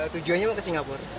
tujuannya mau ke singapura